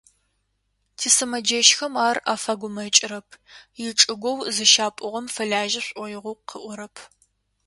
Тисымэджэщхэм ар афэгумэкӏрэп, ичӏыгоу зыщапӏугъэм фэлажьэ шӏоигъоу къыӏорэп.